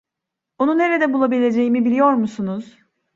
Onu nerede bulabileceğimi biliyor musunuz?